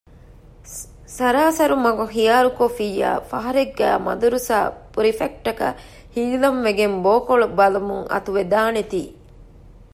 ސަރާސަރު މަގު ޚިޔާރުކޮށްފިއްޔާ ފަހަރެއްގައި މަދުރަސާގެ ޕުރިފެކްޓަކަށް ހިލަން ވެގެން ބޯކޮޅު ބަލަމުން އަތުވެދާނެ ތީ